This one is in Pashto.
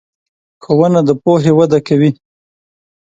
ښوونه د پوهې وده کوي.